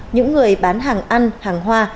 những người bán hàng ăn hàng hoa